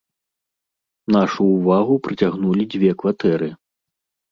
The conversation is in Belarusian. Нашу ўвагу прыцягнулі дзве кватэры.